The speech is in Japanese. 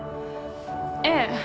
ええ。